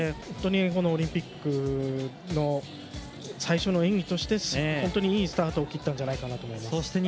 本当に、このオリンピックの最初の演技として本当にいいスタートを切ったんじゃないかと思います。